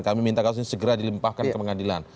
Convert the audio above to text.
kami minta segera dilimpahkan ke pengadilan